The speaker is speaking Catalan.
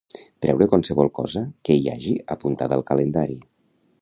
Treure qualsevol cosa que hi hagi apuntada al calendari.